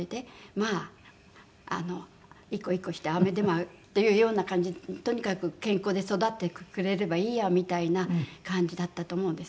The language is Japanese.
まあいい子いい子して飴でもというような感じでとにかく健康で育ってくれればいいやみたいな感じだったと思うんです。